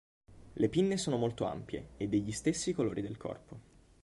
Le pinne sono molto ampie e degli stessi colori del corpo.